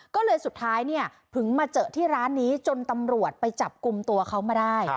ก็เลยสุดท้ายเนี่ยถึงมาเจอที่ร้านนี้จนตำรวจไปจับกลุ่มตัวเขามาได้